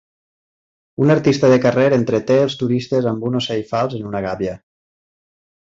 Un artista de carrer entreté els turistes amb un ocell fals en una gàbia.